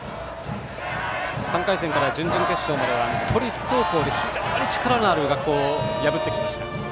３回戦から準々決勝までは都立高校で非常に力のある学校を破ってきました。